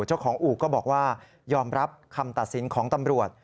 เจ้าของอู่ก็บอกว่ายอมรับคำตัดสินของตำรวจ